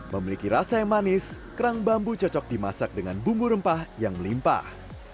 memiliki rasa yang manis kerang bambu cocok dimasak dengan bumbu rempah yang melimpah